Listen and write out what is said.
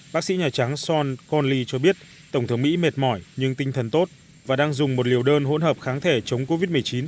bác sĩ nhà trắng sean conly cho biết tổng thống mỹ mệt mỏi nhưng tinh thần tốt và đang dùng một liều đơn hỗn hợp kháng thể chống covid một mươi chín